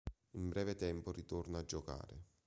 In breve tempo ritorna a giocare.